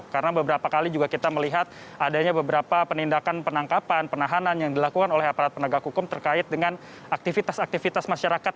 karena beberapa kali juga kita melihat adanya beberapa penindakan penangkapan penahanan yang dilakukan oleh aparat penegak hukum terkait dengan aktivitas aktivitas masyarakat